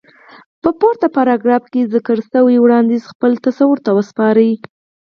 په پورته پاراګراف کې ذکر شوی وړانديز خپل تصور ته وسپارئ.